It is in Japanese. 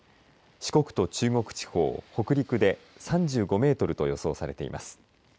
四国と中国地方、北陸で３５メートルと予想されています。